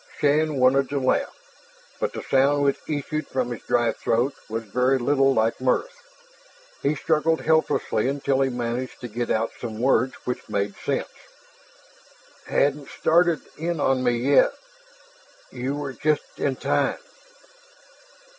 Shann wanted to laugh, but the sound which issued from his dry throat was very little like mirth. He struggled helplessly until he managed to get out some words which made sense. "... hadn't started in on me yet. You were just in time."